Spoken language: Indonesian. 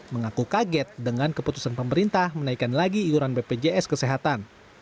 mengaku kaget dengan keputusan pemerintah menaikkan lagi iuran bpjs kesehatan